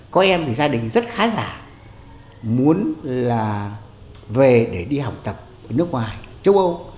có em thì gia đình rất khá giả muốn là về để đi học tập ở nước ngoài châu âu